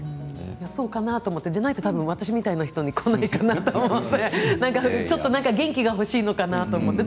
そうかなと思ってそうじゃないと私みたいな人に来ないと思うんで元気が欲しいのかなって。